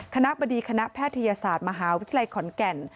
คณะบดีคณะแพทยศาสตร์มหาวิทยาลัยขอนแก่น